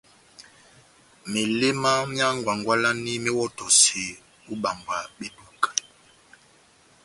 Meléma myá ngwangwalani méwɔtɔseni o ibambwa beduka.